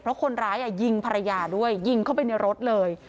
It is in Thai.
เพราะคนร้ายยิงภรรยาด้วยยิงเข้าไปในรถเลย